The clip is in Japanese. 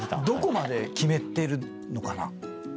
どこまで決めてるのかな？